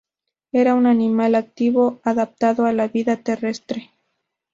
Era un animal activo, adaptado a la vida terrestre.